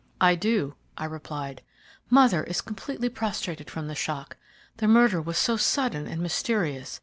"I do," I replied. "Mother is completely prostrated from the shock. The murder was so sudden and mysterious.